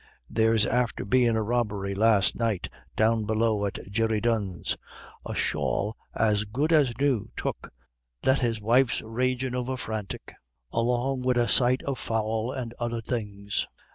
There's after bein' a robbery last night, down below at Jerry Dunne's a shawl as good as new took, that his wife's ragin' over frantic, along wid a sight of fowl and other things.